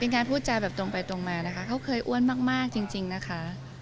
การพูดจาแบบตรงไปตรงมานะคะเขาเคยอ้วนมากจริงนะคะ